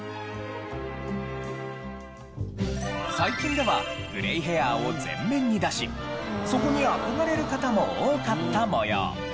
最近ではグレイへアーを全面に出しそこに憧れる方も多かった模様。